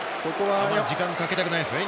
時間かけたくないですね